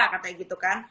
katanya gitu kan